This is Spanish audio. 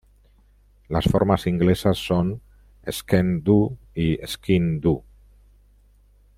Las formas inglesas son: "skene-Dhu" y "skean-Dhu".